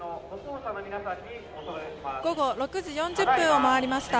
午後６時４０分を回りました。